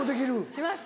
します。